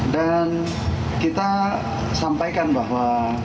dan kita sampaikan bahwa